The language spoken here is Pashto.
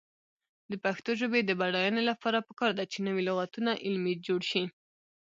د پښتو ژبې د بډاینې لپاره پکار ده چې نوي لغتونه علمي جوړ شي.